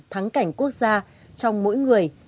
thắng cảnh quốc gia trong mỗi người